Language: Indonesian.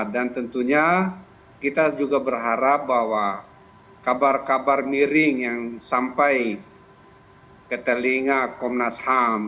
dan tentunya kita juga berharap bahwa kabar kabar miring yang sampai ke telinga komnas ham